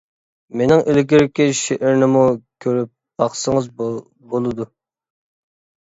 مېنىڭ ئىلگىرىكى شېئىرنىمۇ كۆرۈپ باقسىڭىز بولىدۇ.